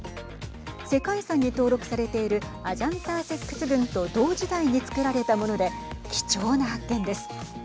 世界遺産に登録されているアジャンター石窟群と同時代に造られたもので貴重な発見です。